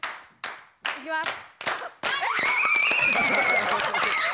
いきます！